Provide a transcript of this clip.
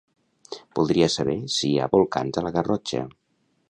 Voldria saber si hi ha volcans a la Garrotxa.